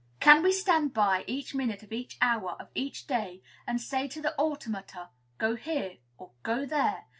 Can we stand by, each minute of each hour of each day, and say to the automata, Go here, or Go there?